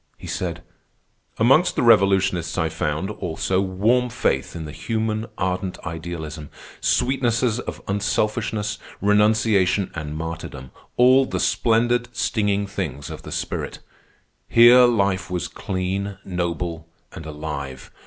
He said: "Amongst the revolutionists I found, also, warm faith in the human, ardent idealism, sweetnesses of unselfishness, renunciation, and martyrdom—all the splendid, stinging things of the spirit. Here life was clean, noble, and alive.